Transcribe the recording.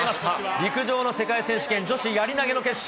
陸上の世界選手権、女子やり投げの決勝。